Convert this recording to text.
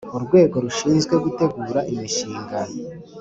Urwego rushinzwe gutegura imishinga